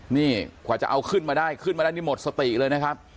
นี่กว่าจะเอาขึ้นมาได้ขึ้นมาได้นี่หมดสติเลยนะครับ